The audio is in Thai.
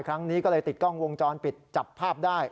ครั้งนี้ก็เลยติดกล้องวงจรปิดจับภาพได้